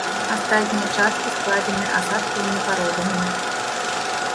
Астатнія часткі складзены асадкавымі пародамі.